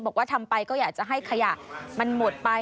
บอกว่าทำไปก็อยากจะให้ขยะมันหมดไป